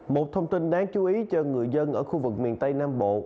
một thông tin đáng chú ý cho người dân ở khu vực miền tây nam bộ